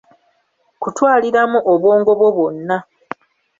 Kutwaliramu obwongo bwo bwonna.